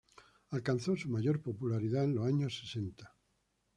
Alcanzó su mayor popularidad en los años sesenta.